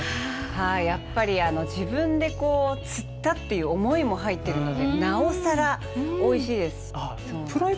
はいやっぱり自分で釣ったっていう思いも入ってるのでなおさらおいしいです。